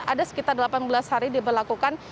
ada sekitar delapan belas hari diberlakukan